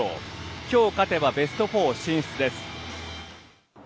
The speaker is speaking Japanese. きょう勝てばベスト４進出です。